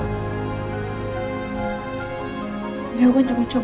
sekali sekali ngertiin perasaan orang